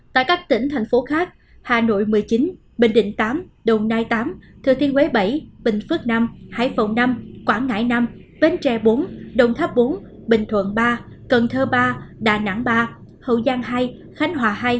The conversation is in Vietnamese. tại các tỉnh thành phố khác hà nội một mươi chín bình định tám đồng nai tám thừa thiên huế bảy bình phước nam hải phòng năm quảng ngãi năm bến tre bốn đồng tháp bốn bình thuận ba cần thơ ba đà nẵng ba hậu giang hai khánh hòa hai